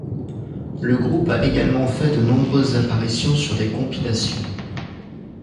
Le groupe a également fait de nombreuses apparitions sur des compilations.